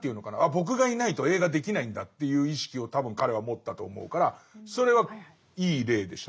僕がいないと映画できないんだっていう意識を多分彼は持ったと思うからそれはいい例でしたね。